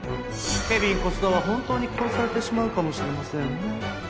ケビン小須田は本当に殺されてしまうかもしれませんね。